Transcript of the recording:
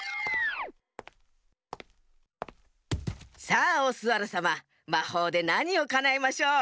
さあオスワルさままほうでなにをかなえましょう？